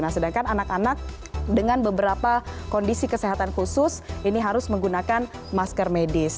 nah sedangkan anak anak dengan beberapa kondisi kesehatan khusus ini harus menggunakan masker medis